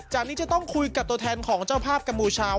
นี้จะต้องคุยกับตัวแทนของเจ้าภาพกัมพูชา